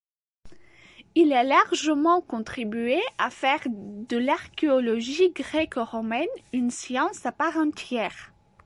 Il a largement contribué à faire de l'archéologie gréco-romaine une science à part entière.